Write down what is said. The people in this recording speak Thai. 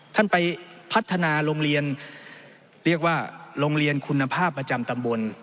ท่านไปพัฒนาโรงเรียนเรียกว่าโรงเรียนคุณภาพประจำตำบล